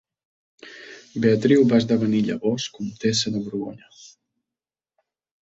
Beatriu va esdevenir llavors comtessa de Borgonya.